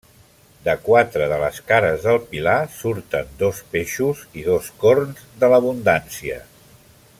De quatre de les cares del pilar surten dos peixos i dos corns de l'abundància.